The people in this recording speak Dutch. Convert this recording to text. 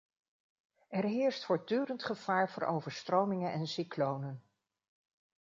Er heerst voortdurend gevaar voor overstromingen en cyclonen.